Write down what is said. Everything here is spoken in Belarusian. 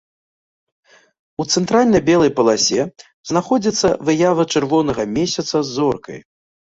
У цэнтральнай белай паласе знаходзіцца выява чырвонага месяца з зоркай.